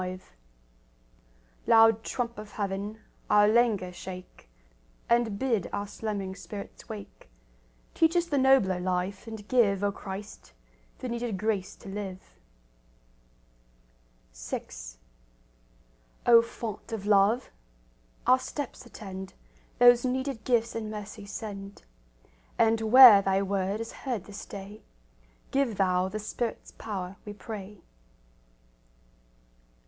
V Loud trump of Heaven, our languor shake, And bid our slumbering spirits wake; Teach us the nobler life, and give, O Christ, the needed grace to live. VI O Font of love! Our steps attend; Those needed gifts in mercy send; And where Thy word is heard this day, Give Thou the Spirit's power, we pray.